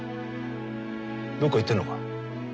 どっか行ってるのか。